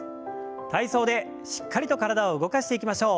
体操でしっかりと体を動かしていきましょう。